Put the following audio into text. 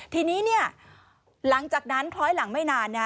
ทีนี้หลังจากนั้นคล้อยหลังไม่นานนะ